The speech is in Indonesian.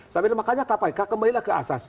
sambil makanya kpk kembalilah ke asas